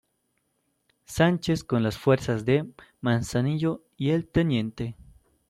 Sánchez con las fuerzas de Manzanillo y el Tte.